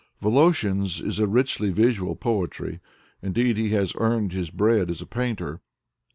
Volo shin's is a richly visual poetry. Indeed, he has earned his bread as a painter.